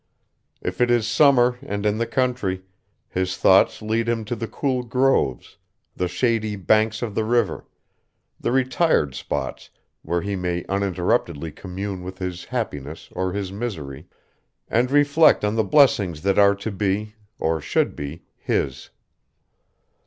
If it is summer and in the country, his thoughts lead him to the cool groves, the shady banks of the river, the retired spots where he may uninterruptedly commune with his happiness or his misery, and reflect on the blessings that are to be, or should be, his.